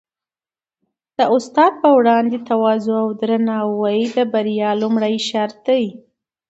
د استاد په وړاندې تواضع او درناوی د بریا لومړی شرط دی.